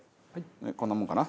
こんなもんかな。